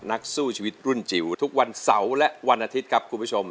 นักสู้ชีวิตรุ่นจิ๋วทุกวันเสาร์และวันอาทิตย์ครับคุณผู้ชม